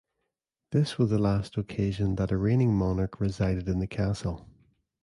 This was the last occasion that a reigning monarch resided in the castle.